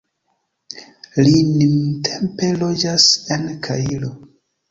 Li nuntempe loĝas en Kairo.